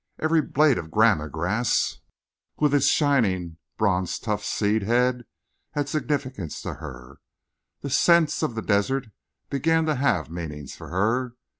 Every blade of gramma grass, with its shining bronze tufted seed head, had significance for her. The scents of the desert began to have meaning for her.